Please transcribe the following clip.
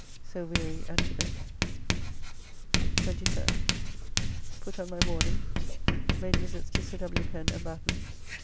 So weary and to bed. 23rd. Put on my mourning. Made visits to Sir W. Pen and Batten.